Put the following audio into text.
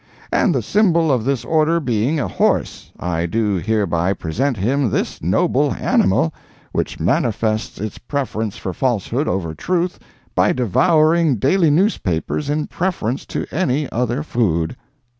And the symbol of this order being a horse, I do hereby present him this noble animal, which manifests its preference for falsehood over truth by devouring daily newspapers in preference to any other food."